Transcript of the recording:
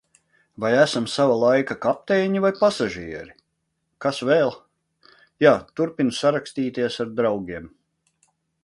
Vai esam sava laika kapteiņi vai pasažieri? Kas vēl? Jā, turpinu sarakstīties ar draugiem.